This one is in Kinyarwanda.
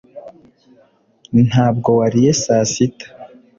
ntabwo wariye saa sita